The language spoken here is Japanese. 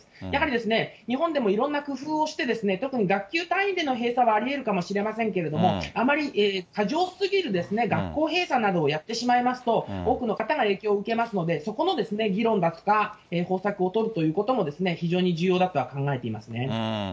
やはり日本でもいろんな工夫をして、特に学級単位での閉鎖はありえるかもしれませんけれども、あまり過剰すぎる学校閉鎖などをやってしまいますと、多くの方が影響を受けますので、そこの議論だとか、方策を取るということも非常に重要だとは考えていますね。